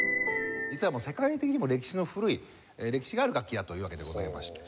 実はもう世界的にも歴史の古い歴史がある楽器だというわけでございまして。